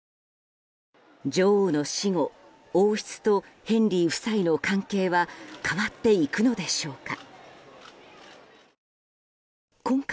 女王の死後王室とヘンリー夫妻の関係は変わっていくのでしょうか。